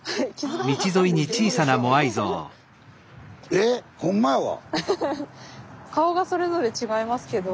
えっ？ほんまやわ。